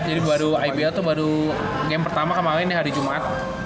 jadi baru ibl tuh baru game pertama kemaren ya hari jumaat